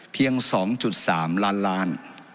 เพียง๒๓ล้านล้าน